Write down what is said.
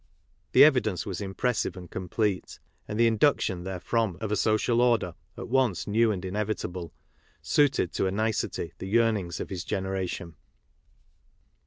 The evidence was impressive and complete ; and the induction therefrom of a social order at once new and inevitable, suited to a nicety the yearnings of his generation.